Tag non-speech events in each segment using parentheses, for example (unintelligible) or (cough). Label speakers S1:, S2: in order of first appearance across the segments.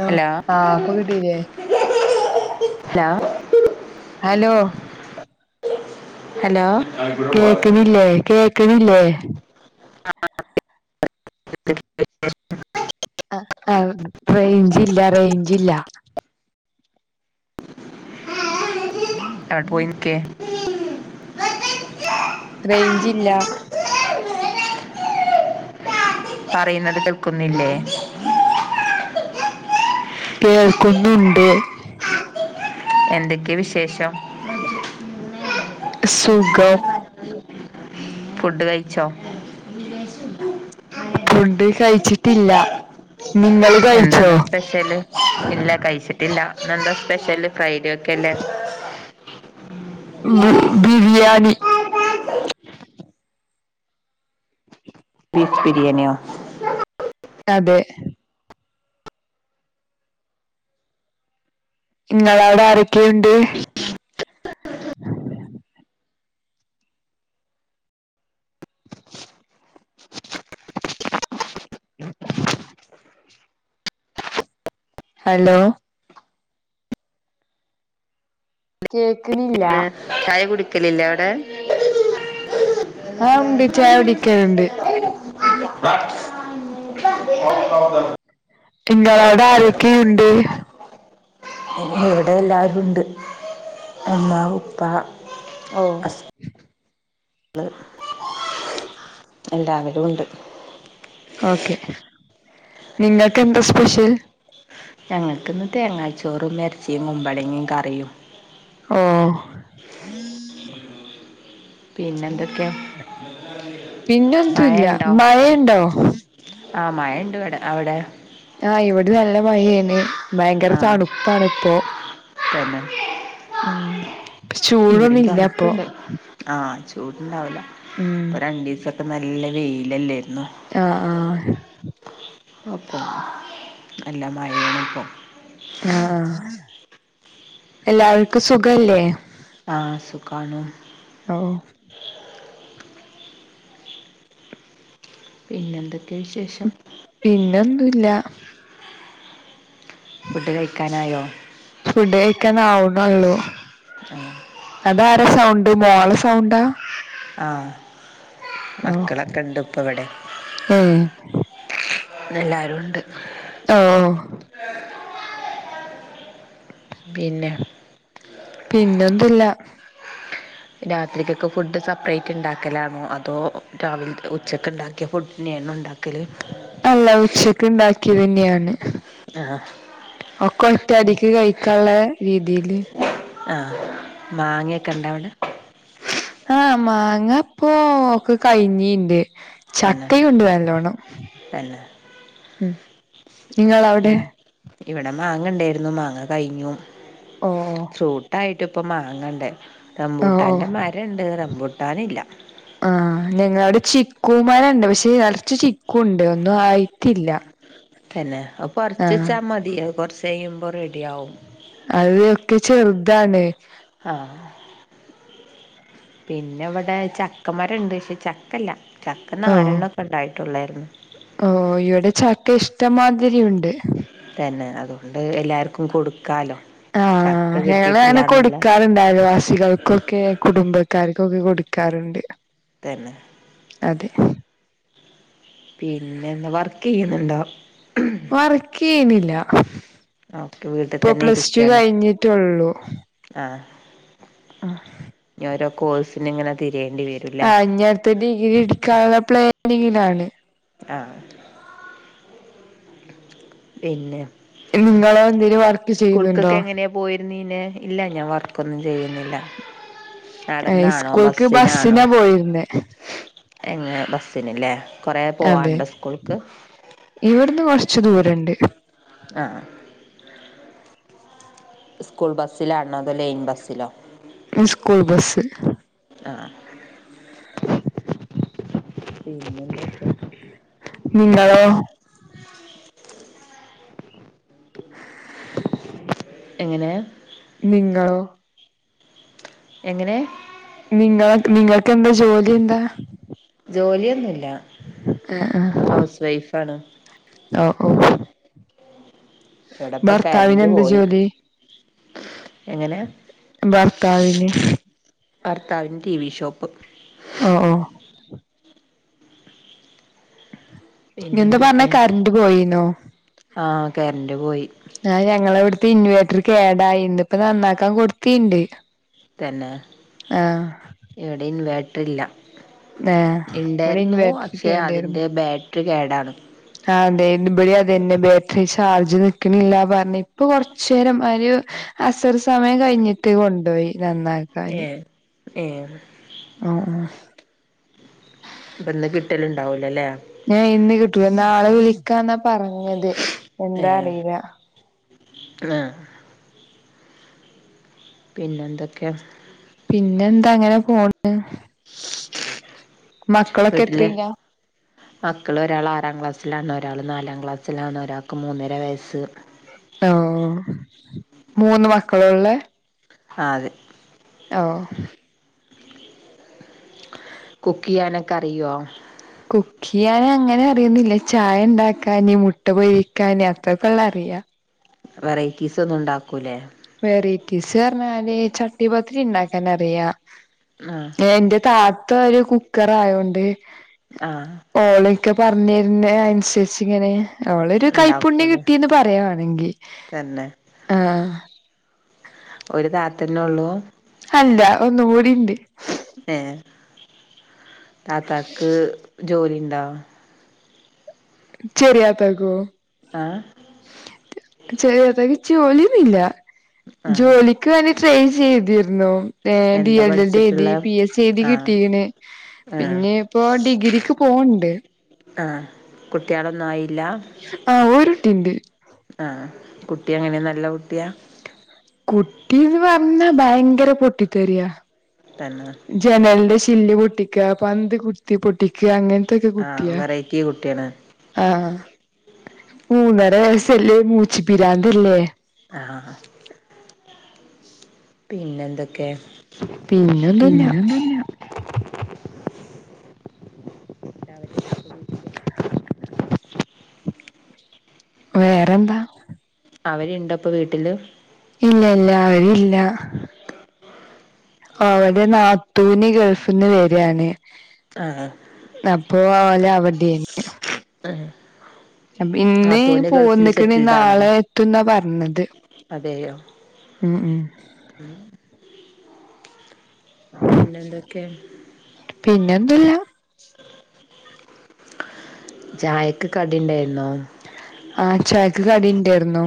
S1: Law
S2: hello
S1: ആഹ് പ്പൊ കിട്ടീലേ
S2: ഹലോ
S1: ഹലോ
S2: ഹലോ ഇവിടെ വാഴുന്നു
S1: കേക്ക്ണില്ലേ കേക്ക്ണില്ലേ
S2: (unintelligible)
S1: അഹ് അഹ് റെയ്ഞ്ച് ഇല്ല റെയ്ഞ്ച്ല്ല ഉം (unintelligible)
S2: വ്ടെ പോയ് നിക്കേ
S1: റെയ്ഞ്ച് ഇല്ലാ
S2: പറയ്ന്നത് കേൾ
S1: (inaudible) കേൾക്കുന്നുണ്ട്
S2: എന്തൊക്കെ വിശേഷം
S1: സുഖം
S2: ഫുഡ്ഡ് കയിച്ചോ വെള്ള്യായ്ചെ (unintelligible)
S1: ഫുഡ്ഡ് കയിച്ചിട്ടില്ല നിങ്ങള് കഴിച്ചോ
S2: എന്താന്ന് സ്പെഷ്യെല് ഇല്ല കയ്ച്ചിട്ടില്ല ന്നെന്താ സ്പെഷ്യെല് ഫ്രൈഡേ ഒക്കെല്ലേ
S1: ഇന്ന് ബിരിയാണി
S2: ബീഫ് ബിര്യാണ്യോ
S1: അതേ ഇങ്ങളോടെ ആരെക്കെയുണ്ട് (inaudible) (inaudible) ഹലോ കേക്ക്ണില്ലാ
S2: ചായ കുടിക്കലില്ലെ അവ്ടെ
S1: ആഹ് ഉണ്ട് ചായ കുടിക്കലുണ്ട്
S2: (unintelligible) (unintelligible)
S1: ഇങ്ങളോടെ ആരെക്കെയുണ്ട്
S2: ഇവിടെ എല്ലാരുണ്ട് ഉമ്മാ ഉപ്പാ
S1: ഓഹ്
S2: ള് എല്ലാവരു ഉണ്ട്
S1: ഓക്കെ നിങ്ങെക്കെന്താ സ്പെഷ്യെൽ
S2: ഞങ്ങക്ക്ന്ന് തേങ്ങാച്ചോറും എറെച്ചിയും കുമ്പളങ്ങിം കറിയും
S1: ഓഹ്
S2: പിന്നെന്തൊക്കെ
S1: പിന്നെന്തുംല്ല മഴെണ്ടോ
S2: ആഹ് മഴണ്ട് വടെ അവടെ
S1: ആഹ് ഇവിടെ നല്ല മഴേണ് ഭയെങ്കെരെ
S2: ആ
S1: തണുപ്പാണ്പ്പോ
S2: തന്നെ
S1: ഉം
S2: ഇവിടേം
S1: ചൂടൊന്നും ഇല്ല ഇപ്പൊ
S2: തണുപ്പുണ്ട് ആഹ് ചൂട്ണ്ടാവൂല
S1: ഉം
S2: ഇപ്പൊ രണ്ടു ദിവസൊക്കെ നല്ല വെയിലല്ലേയിരുന്നു
S1: ആഹ് ആഹ്
S2: അപ്പ നല്ല മഴ ആണിപ്പം
S1: ആഹ് എല്ലാവർക്കും സുഖല്ലേ
S2: ആഹ് സുഖംആണ്
S1: ആഹ്
S2: പിന്നെ എന്തൊക്കെയാ വിശേഷം
S1: പിന്നൊന്നുംല്ല
S2: ഫുഡ് കഴിക്കാനായോ
S1: ഫുഡ് കഴിക്കാൻ ആവുണൊള്ളൂ
S2: ആഹ്
S1: അത് ആര സൗണ്ട് മോള സൗണ്ടാ
S2: ആഹ്
S1: ഓ
S2: മക്കളൊക്കെ ഇണ്ട് ഇപ്പ ഇവിടെ
S1: ഏ
S2: എല്ലാരും ഉണ്ട്
S1: ഓ
S2: പിന്നെ
S1: പിന്നൊന്തില്ല
S2: രാത്രിക്കൊക്കെ ഫുഡ് സെപ്പറേറ്റ് ഉണ്ടാക്കലാണോ അതോ രാവിലെ ഉച്ചക്ക് ഉണ്ടാക്കിയ ഫുഡ് തന്നെയാണോ ഉണ്ടാക്കി ക്കല്
S1: അല്ല ഉച്ചക്ക് ഉണ്ടാക്കിയത് തന്നെയാണ്
S2: ആഹ്
S1: ഒക്കെ
S2: പിന്നെ
S1: ഒറ്റടിക്ക് കഴിക്കാള്ള രീതിയില്
S2: ആഹ് മാങ്ങൊക്കെ ഉണ്ടവിടെ
S1: ആഹ് മാങ്ങ ഇപ്പോ ഒക്ക കഴിഞ്ഞിണ്ട്
S2: തന്നെ
S1: ചക്ക ഇണ്ട് നല്ലോണം
S2: തന്നെ
S1: ഉം നിങ്ങള അവിടെ
S2: പിന്നെ ഇവിടെ മാങ്ങ ഉൺണ്ടായിരുന്നു മാങ്ങ കഴിഞ്ഞു
S1: ഓ ഓ
S2: ഫ്രൂട്ട് ആയിട്ട് ഇപ്പം മാങ്ങ ഇണ്ട്
S1: ഓ ഓ
S2: റബൂട്ടാൻ്റെ മരംണ്ട് റംബൂട്ടാനില്ല
S1: ഞങ്ങളിവിടെ ചിക്കുമരോണ്ട് പക്ഷെ നിറച്ച് ചിക്കു ഉണ്ട് ഒന്നും ആയിട്ടില്ല
S2: തന്നെ അപ്പൊ
S1: ആഹ്
S2: പറിച്ചെച്ച മതി കുറച്ച് കഴിയുമ്പോ റെഡി ആവും
S1: അത് ഒക്കെ ചെറുതാണ്
S2: ആഹ് പിന്നെ ഇവിടെ ചക്കമരോണ്ട് പക്ഷെ ചക്ക ഇല്ല ചക്ക നാലേണോം ഇപ്പൊ ഉണ്ടായിട്ടുള്ളായിരുന്നു
S1: ഓഹ് ഇവിടെ ചക്ക ഇഷ്ടംമാതിരി ഉണ്ട്
S2: തന്നെ അതുകൊണ്ട് എല്ലാർക്കും കൊടുക്കാലോ ചക്ക
S1: ആഹ് ഞങ്ങൾ അങ്ങനെ
S2: കിട്ടിയിട്ടില്ലാന്നുള്ള
S1: കൊടുക്കാറി അയൽവാസികൾക്കൊക്കെ കുടുംബക്കാർക്കൊക്കെ കൊടുക്കാറുണ്ട്
S2: തന്നെ
S1: അതെ
S2: പിന്നെന്താ വർക്ക് ചെയ്യുന്നുണ്ടോ
S1: വർക്ക് ചെയ്യുന്നില്ല
S2: ഓക്കെ വീട്ടിൽ
S1: ഇപ്പൊ
S2: തന്നെ
S1: പ്ലസ് ടു
S2: ഇരിക്കാണ്
S1: കഴിഞ്ഞിട്ടെള്ളൂ
S2: ആഹ്
S1: ആഹ്
S2: ഓരോ കോഴ്സിന് ഇങ്ങനെ തിരേയേണ്ടി വരും
S1: ആഹ് ഇനി അടുത്ത ഡിഗ്രി എടുക്കാനുള്ള പ്ലാനിങ്ങിലാണ്
S2: ആഹ് പിന്നെ
S1: നിങ്ങളോ എന്തേലും വർക്ക് ചെയ്യുന്നുണ്ടോ?
S2: പോയിരുന്നിലേ. ഇല്ല ഞാൻ വർക്കൊന്നും ചെയ്യുന്നില്ല.
S1: ഏഹ്,
S2: നടന്നാണോ
S1: സ്കൂൾക്ക്
S2: ബസ്സിനാണോ
S1: ബസ്സിനാ പോയി പോയിരുന്നേ
S2: എങ്ങനെ, ബസ്സിന്ലെ കുറേ
S1: അതെ
S2: പോവാനുണ്ടോ സ്കൂൾക്ക്?
S1: ഇവിടുന്ന് കൊറച്ച് ദൂരോണ്ട്.
S2: ആഹ് സ്കൂൾ ബസ്സിലാണോ അതോ ലൈൻ ബസ്സിലോ
S1: സ്കൂൾ ബസ്
S2: ആഹ് പിന്നെന്തൊക്കെ
S1: നിങ്ങളോ?
S2: എങ്ങനെ?
S1: നിങ്ങളോ?
S2: എങ്ങനെ?
S1: നിങ്ങൾ നിങ്ങക്കെന്താ ജോലി എന്താ?
S2: ജോലിയൊന്നുമില്ല.
S1: ആഹ് ആഹ് ഓഹ് ഓഹ്
S2: ഇവിടിപ്പോ
S1: ഭർത്താവിന്
S2: കറന്റ്‌
S1: എന്താ
S2: പോയി,
S1: ജോലി
S2: എങ്ങനെയാ
S1: ഭർത്താവിന്
S2: ഭർത്താവിന് ടി വി ഷോപ്പ്.
S1: ഓഹ് ഓഹ് എന്താ പറഞ്ഞെ
S2: പിന്നെന്തൊക്കെ
S1: കറന്റ്‌ പോയിന്നോ?
S2: ആഹ് കറന്റ്‌ പോയി.
S1: ആഹ് ഞങ്ങളിവിടുത്തെ ഇൻവേർട്ടർ കേടായി ഇന്ന് ഇപ്പ നന്നാക്കാൻ കൊടുത്തിണ്ട്.
S2: തന്നെ
S1: ആഹ്
S2: ഇവിടെ ഇൻവേർട്ടറില്ല.
S1: ആഹ് ഇവിടെ
S2: ഇണ്ടാർന്നു
S1: ഇൻവേർട്ടർ
S2: പക്ഷെ
S1: കേടായിരുന്നു
S2: അതിന്റെ ബാറ്ററി കേടാണ്.
S1: ആഹ് അതെ ഇത്ബിടെ അതന്നെ ബാറ്ററി ചാർജ് നിക്കണില്ല പറഞ്ഞ് ഇപ്പൊ കൊറച്ചു നേരം ഒരു- അസർ സമയം കഴിഞ്ഞിട്ട് കൊണ്ടോയി നന്നാ
S2: ഏഹ് മം.
S1: ആഹ് ആഹ്
S2: ഇന്ന് കിട്ടല് ഇണ്ടാവൂലല്ലേ
S1: ഏയ് ഇന്ന് കിട്ടൂല, നാളെ വിളിക്കാന്നാ പറഞ്ഞത് എന്താ
S2: ഏഹ്
S1: അറിയില്ല.
S2: ആഹ് പിന്നെ എന്തൊക്കെയാ?
S1: പിന്നെ എന്താ അങ്ങനെ പോണ്ട്, മക്കളൊക്കെ എത്രയിലാ?
S2: മക്കൾ ഒരാള് ആറാം ക്ലാസ്സിലാണ്, ഒരാള് നാലാം ക്ലാസ്സിലാണ്, ഒരാൾക്ക് മൂന്നര വയസ്സ്.
S1: ഓ മൂന്ന് മക്കള് ഉള്ളേ?
S2: ആഹ് അതെ
S1: ഓ (inaudible)
S2: കുക്ക് ചെയ്യാനൊക്കെ അറിയോ?
S1: കുക്കി ക്കിയാന് അങ്ങനെ അറിയുന്നില്ല, ചായ ഉണ്ടാക്കാന്, മുട്ട പൊരിക്കാന്, അത്രൊക്കെ ഒള്ളു അറിയാ
S2: വെറൈറ്റീസ് ഒന്നും ഉണ്ടാക്കൂലേ?
S1: വെറൈറ്റീസ് പറഞ്ഞാല്, ചട്ടിപത്തിരി ഉണ്ടാക്കാന് അറിയാം
S2: ആഹ്
S1: എന്റെ താത്ത ഒരു കുക്കറ് ആയോണ്ട്
S2: ആഹ്
S1: ഓളൊക്കെ പറഞ്ഞു തരുന്ന അനുസരിച്ച് ഇങ്ങനെ അവളൊരു കൈപ്പുണ്യം
S2: ഉണ്ടാക്കൂലേ
S1: കിട്ടീന്ന് പറയാ വാണെങ്കിൽ.
S2: തന്നെ
S1: ആഹ്
S2: ഒരു താത്തന്നെ ഉള്ളൂ
S1: അല്ല ഒന്നും കൂടി ഇണ്ട്
S2: ഏ താത്താക്ക് ജോലി ഉണ്ടോ
S1: ചെറിയ താത്താക്കോ
S2: ആഹ്
S1: ചെറിയ താത്താക്ക് ജോലി ഒന്നും ഇല്ല
S2: ആ
S1: ജോലി ക്ക് വേണ്ടിട്ട് ട്രൈ ചെയ്തിരുന്നു. എ ഡി
S2: എന്താ
S1: എൽ എഡ് എഴുതി
S2: പഠിച്ചിട്ടുള്ളെ
S1: പി എസ് സി എഴുതി
S2: ആ
S1: കിട്ടീന്
S2: ആ
S1: പിന്നെ ഇപ്പോ ഡിഗ്രിക്ക് പോണ് ണ്ട്
S2: ആഹ് കുട്ട്യാളൊന്നും ആയില്ല
S1: ആഹ് ഒരു കുട്ടി ഉണ്ട്
S2: ആഹ് കുട്ടി എങ്ങനെ നല്ല കുട്ടിയാ
S1: കുട്ടിന്ന് പറഞ്ഞാ ഭയങ്കര പൊട്ടിത്തെറിയാ
S2: തന്നെ
S1: ജനലിന്റെ ചില്ല് പൊട്ടിക്ക പന്ത്കുത്തി പൊട്ടിക്ക അങ്ങനെ ത്തൊക്കെ
S2: ആ
S1: കുട്ടിയാ
S2: വെറൈറ്റി കുട്ടിയാണ്
S1: ആഹ് മൂന്നര വയസല്ലേ മൂച്ചി പിരാന്ത്‌ ഇല്ലേ
S2: ആഹ് പിന്നെ എന്തൊക്കെ
S1: പിന്നെ ഒന്നുല്ല വേറെന്താ
S2: അവര് ഇണ്ടോ ഇപ്പൊ വീട്ടില്
S1: ഇല്ല ഇല്ല അവര് ഇല്ല ഓളുടെ നാത്തൂന് ഗൾഫിന്ന് വെരാണ്
S2: ആഹ്
S1: അപ്പൊ ഓല് അവടേണ്
S2: ആഹ്
S1: അപ്പൊ ഇന്ന്
S2: നാത്തൂന് ഗൾഫില്
S1: പോന്നുക്ക്ണ് നാളെ എത്തും ന്നാ പറഞ്ഞത്
S2: അതേയോ
S1: ഉം ഉം
S2: ഉം പിന്നെ എന്തൊക്കെ
S1: പിന്നെ ഒന്നും ല്ല
S2: ചായക്ക് കടി ഉണ്ടേര്ന്നോ
S1: ആഹ ചായക്ക് കട ഉണ്ടേര്ന്നു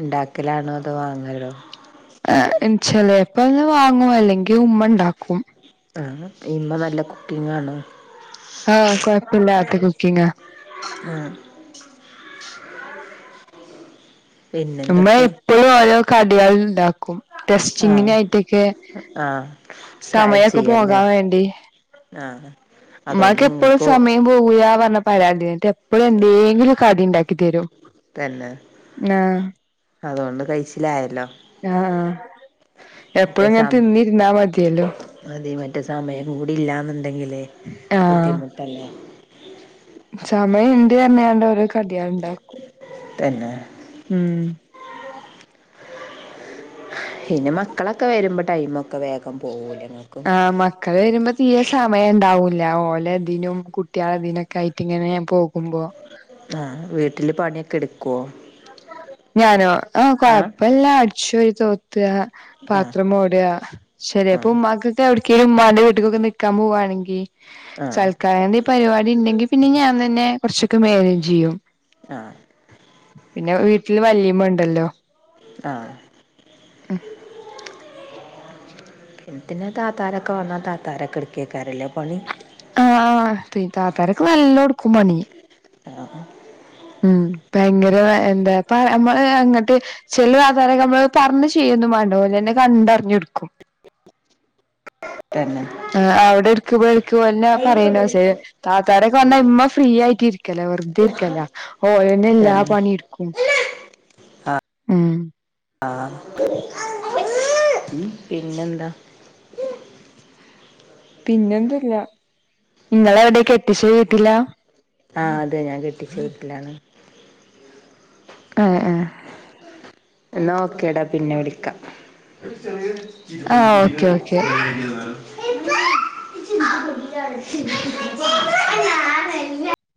S2: ഇണ്ടാക്കലാണോ അതോ വാങ്ങലോ
S1: ചിലപ്പൊ ഒന്ന് വാങ്ങും അല്ലെങ്കിൽ ഉമ്മ ഉണ്ടാക്കും
S2: ആ ഇമ്മ നല്ല കുക്കിങ്ങ് ആണോ
S1: ആഹ കൊയപ്പല്ലാത്ത കുക്കിംങ്ങാ
S2: ആഹ്
S1: ഇമ്മ
S2: പിന്നെന്തൊക്കെ
S1: എപ്പളും ഓരോ കടിയാള് ഇണ്ടാക്കും
S2: ആഹ്
S1: ടെസ്റ്റിങ്ങിനായിട്ടൊക്കെ
S2: ആഹ്
S1: സമയൊക്കെ പോകാൻ വേണ്ടി
S2: ആഹ അതോണ്ട് ഇങ്ങക്കും
S1: പോവയാ പറഞ്ഞ പരാതിട്ട് എപ്പഴും എന്തെങ്കിലും കടി ഉണ്ടാക്കി തരും
S2: തന്നെ
S1: ആഹ്
S2: അതോണ്ട് കയിച്ചിലായല്ലോ
S1: ആഹ ആ എപ്പോഴും ഇങ്ങനെ തിന്നിരുന്നാ മതിയല്ലോ
S2: മതി മറ്റേ സമയം കൂടി ഇല്ലാന്നുണ്ടെങ്കിലേ
S1: ആഹ
S2: ബുദ്ധിമുട്ടല്ലേ
S1: സമയം ഉണ്ട് പറഞ്ഞാണ്ട് ഒരോ കടിയാള് ഇണ്ടാക്കും
S2: തന്നെ
S1: ഉം
S2: പിന്നെ മക്കളൊക്കെ വരുമ്പോൾ ടൈമൊക്കെ വേഗം പോവൂലെ ഇങ്ങക്ക്
S1: ആഹ മ ക്ക വരുമ്പോ തീയെ സമയം ഉണ്ടാവൂല്ല ഓലെതിനും കുട്ട്യാളെതിനൊക്കെ ആയിട്ട് ഇങ്ങനെ ഞാൻ പോകുമ്പോ
S2: ആഹ് വീട്ടില് പണിയൊക്കെ എടുക്കുവോ?
S1: ഞാനോ ആഹ് കൊഴപ്പല്ല അടിചുവാരി തോ ത്വ
S2: ആഹ്
S1: പാത്രം മൂടുവ ശരി അപ്പൊ
S2: ആഹ്
S1: ഉമ്മാക്ക് ഇ എവിടെക്കേലും ഉമ്മാന്റെ വീട്ടക്കൊക്കെ നിക്കാൻ പോവാണെങ്കിൽ
S2: ആഹ്
S1: സൽ ക്കായെന്തേ പരിപാടി ഉണ്ടെങ്കി പിന്നെ ഞാൻ തന്നെ കുറച്ചൊക്കെ മാനേജ് ചെയ്യും.
S2: ആഹ്.
S1: പിന്നെ വീട്ടിൽ വല്യമ്മ ഉണ്ടല്ലോ.
S2: ആഹ്.
S1: ഉം
S2: പിന്നെ താത്താരൊക്കെ വന്നാൽ താത്താരൊക്കെ എടുക്കേക്കാരം ല്ലേ പണി
S1: ആഹ് തി താത്തരക്ക് നല്ലോ എടുക്കും പണി.
S2: ആഹ്
S1: ഉം ഭയങ്കര എന്താ പ നമ്മ അങ്ങട്ട് ചെല താത്താരൊക്കെ നമ്മള് പറഞ്ഞ് ചെയ്യൊന്നും വേണ്ട ഓര് തന്നെ കണ്ടറിഞ്ഞ് എടുക്കും.
S2: തന്നെ.
S1: ആഹ് അവിടെ എടുക്കുമ്പോ എടുക്കുമോന്നെ പറയുന്ന ശേ താത്താരൊക്കെ വന്നാ ഇമ്മ ഫ്രീ ആയിട്ട് ഇരിക്കലേ വെറുതെ ഇരിക്കല ഓ എല്ലാ
S2: തന്നെ
S1: പണീം എടുക്കും ഉം.
S2: ആഹ് പിന്നെന്താ?
S1: പിന്നെന്തുല്ല നിങ്ങളിവിടെ കെട്ടിച്ച വീട്ടില?
S2: ആഹ് അതെ ഞാൻ കെട്ടിച്ച വീട്ടിലാണ്.
S1: അതെ ആഹ്.
S2: എന്ന ഓക്കേ ഡാ പിന്നെ വിളിക്കാ. ചിക
S1: ആഹ് ഓക്കെ ഓക്കെ
S2: ഞൻ